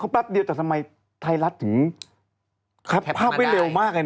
แป๊บเดียวแต่ทำไมไทยรัฐถึงแคปภาพไว้เร็วมากเลยนะ